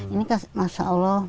ini masya allah